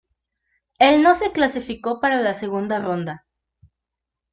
Él no se clasificó para la segunda ronda.